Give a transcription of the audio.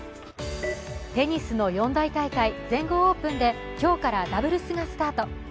テニスの四大大会全豪オープンで、今日からダブルスがスタート。